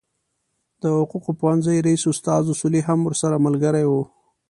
د حقوقو پوهنځي رئیس استاد اصولي هم ورسره ملګری و.